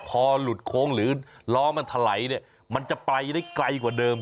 พอหลุดโค้งหรือล้อมันถลายเนี่ยมันจะไปได้ไกลกว่าเดิม